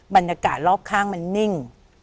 บรรยากาศรอบข้างมันนิ่ง